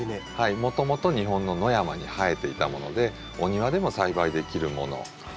もともと日本の野山に生えていたものでお庭でも栽培できるもの。